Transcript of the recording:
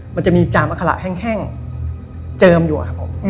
มันจะมีจามอัคระแห้งเจิมอยู่ครับผม